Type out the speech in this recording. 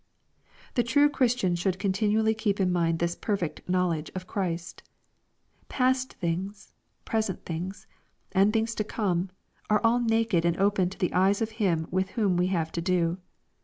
The true Christian should continually keep in mind this perfect knowledge of Christ. Past things, present things, and things to come, are all naked and open to the eyes of Him with whom we have to do.